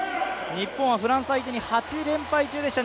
日本はフランス相手に８連敗中でした。